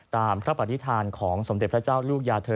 ตามคำปฏิสรรคีย์ประธานของสมเด็จพระเจ้าลูกยาเธอ